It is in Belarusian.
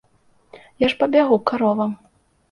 Я ж пабягу к каровам.